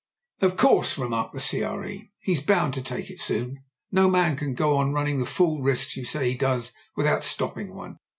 "Of course," remarked the CR.E., he's bound to take it soon. No man can go on running the fool risks you say he does without stopping one.